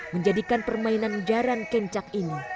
menjadikan permainan jarang kencang